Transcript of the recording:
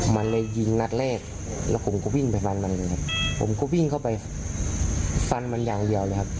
มันได้ยิงนัดแรกแล้วผมก็วิ่งไปหานมันครับ